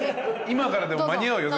今からでも間に合うよ